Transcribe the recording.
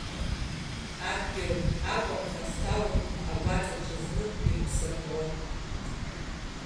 Адгьыл акәа ԥха сҭалон, агәаҵа ҽазнык ирыԥсаҳәо.